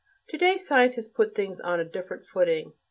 To day science has put things on a different footing.